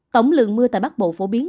tổng lượng mưa tại bắc bộ phổ biến